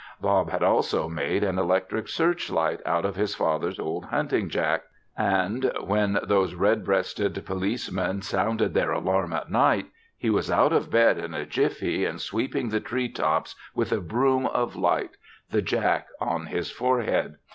Bob had also made an electric search light out of his father's old hunting jack and, when those red breasted policemen sounded their alarm at night, he was out of bed in a jiffy and sweeping the tree tops with a broom of light, the jack on his forehead.